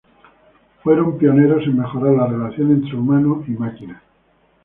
Fueron pioneros en mejorar la relación entre humano y maquina.